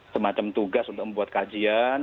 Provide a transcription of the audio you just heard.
semacam tugas untuk membuat kajian